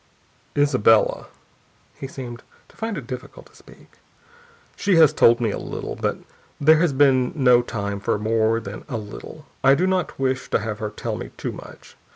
"Isabella...." He seemed to find it difficult to speak. "She has told me a little, but there has been no time for more than a little: I do not wish to have her tell me too much.